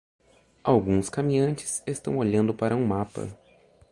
Alguns caminhantes estão olhando para um mapa.